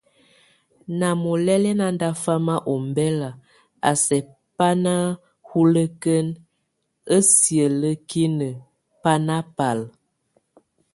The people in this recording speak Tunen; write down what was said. Na molɛl a nándafam ombɛl a sɛk bá bana huleken, á sielekin bá nabal.